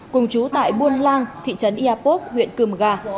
cùng chú tại buôn lang thị trấn iapoc huyện cư mưa ga